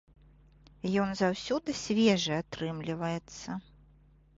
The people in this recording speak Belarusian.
Ён заўсёды свежы атрымліваецца!